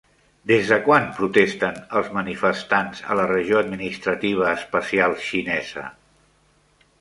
Des de quan protesten els manifestants a la regió administrativa especial xinesa?